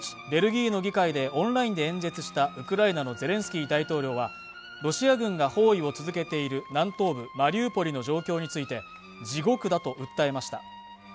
ベルギーの議会でオンラインで演説したウクライナのゼレンスキー大統領はロシア軍が包囲を続けている南東部マリウポリの状況について地獄だと訴えました